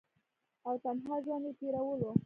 او تنها ژوند ئې تيرولو ۔